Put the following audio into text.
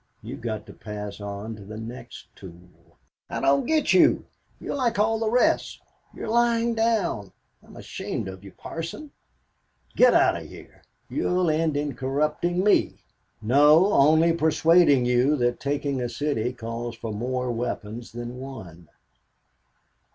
You've got to pass on to the next tool." "I don't get you. You're like all the rest. You're lying down. I'm ashamed of you, Parson. Get out of here. You'll end in corrupting me." "No, only persuading you that taking a city calls for more weapons than one."